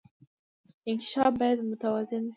انکشاف باید متوازن وي